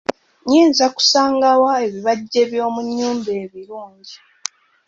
Nyinza kusangawa ebibajje by'omunnyumba ebirungi?